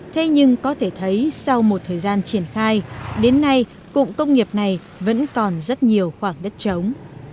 thế nhưng có thể thấy sau một thời gian triển khai đến nay cụm công nghiệp này vẫn còn rất nhiều khoảng đất trống